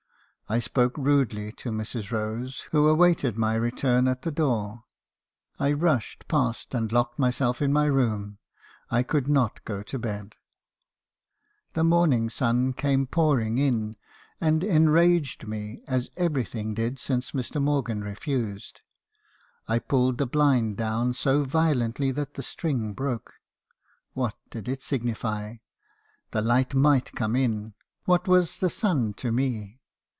I spoke rudely to Mrs. Rose , who awaited my return at the door. I rushed past , and locked myself in my room. I could not go to bed. me. habeison's confessions. 311 "The morning sun came pouring in, and enraged me, as everything did since Mr. Morgan refused. I pulled the blind down so violently that the string broke. What did it signify? The light might come in. What was the sun to me?